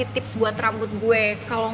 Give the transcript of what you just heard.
tepetan bisa kan